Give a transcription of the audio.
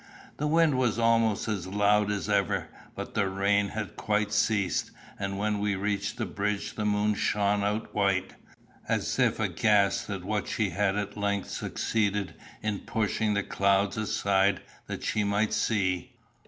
The wind was almost as loud as ever, but the rain had quite ceased, and when we reached the bridge the moon shone out white, as if aghast at what she had at length succeeded in pushing the clouds aside that she might see.